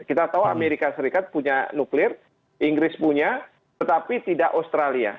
kita tahu amerika serikat punya nuklir inggris punya tetapi tidak australia